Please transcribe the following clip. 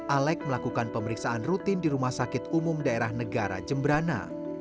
alek melakukan pemeriksaan rutin di rumah sakit umum daerah negara jemberana